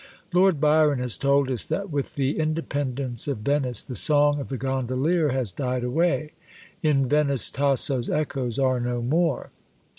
Lord Byron has told us that with the independence of Venice the song of the gondolier has died away In Venice Tasso's echoes are no more.